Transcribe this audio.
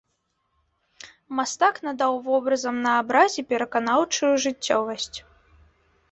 Мастак надаў вобразам на абразе пераканаўчую жыццёвасць.